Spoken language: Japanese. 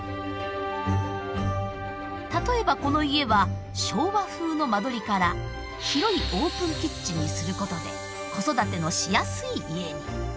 例えばこの家は昭和風の間取りから広いオープンキッチンにすることで子育てのしやすい家に。